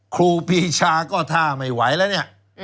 ครูปีชาก็ท่าไม่ไหวแล้วเนี่ย